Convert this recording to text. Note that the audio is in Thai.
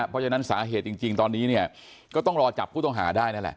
เพราะฉะนั้นสาเหตุจริงตอนนี้เนี่ยก็ต้องรอจับผู้ต้องหาได้นั่นแหละ